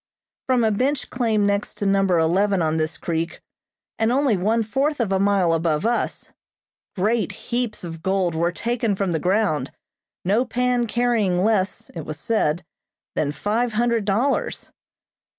From a bench claim next to Number Eleven on this creek, and only one fourth of a mile above us, great heaps of gold were taken from the ground, no pan carrying less, it was said, than five hundred dollars.